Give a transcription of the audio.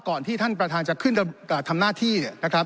ก่อนที่ท่านประธานจะขึ้นการทำหน้าที่นะครับ